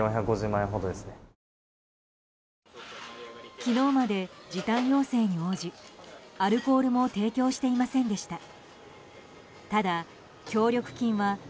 昨日まで時短要請に応じアルコールも提供していませんでした。